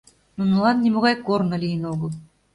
Нунылан нимогай корно лийын огыл.